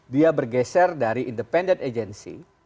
dia bergeser dari independen agensi